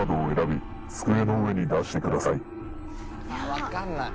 ・分かんない・